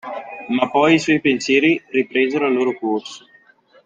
Ma poi i suoi pensieri ripresero il loro corso.